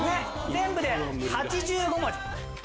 全部で８５文字。